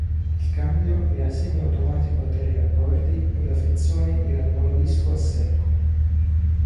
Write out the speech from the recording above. Il cambio era semiautomatico a tre rapporti e la frizione era monodisco a secco.